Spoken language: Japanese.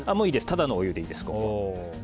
ただのお湯でいいです。